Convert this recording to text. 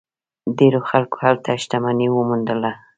ډیرو خلکو هلته شتمني وموندله.